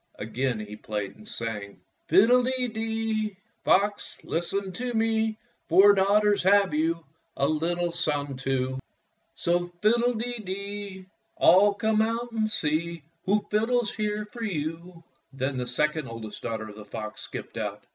Again he played and sang: — "Fiddle de dee, Fox, listen to me! Four daughters have you, A little son, too. 184 Fairy Tale Foxes So fiddle de dee, All come out and see Who fiddles here for you." Then the second oldest daughter of the fox skipped out.